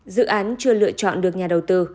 dự án chưa lựa chọn được nhà đầu tư